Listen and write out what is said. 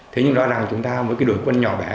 thế nhưng rõ ràng chúng ta với cái đội quân nhỏ bé